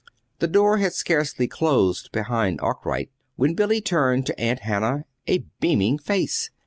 The door had scarcely closed behind Arkwright when Billy turned to Aunt Hannah a beaming face.